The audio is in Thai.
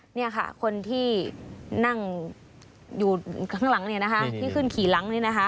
นี่ค่ะคนที่นั่งอยู่ข้างหลังเนี่ยนะคะที่ขึ้นขี่หลังนี่นะคะ